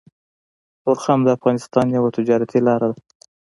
تورخم د افغانستان يوه تجارتي لاره ده